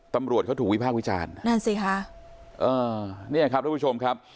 ตำรวจเขาถูกวิภาควิจารณ์นั่นสิคะเออเนี่ยครับทุกผู้ชมครับ